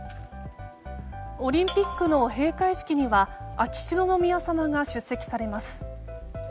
オリンピックの閉会式には秋篠宮さまが出席されます。